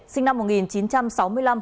sinh năm một nghìn chín trăm sáu mươi năm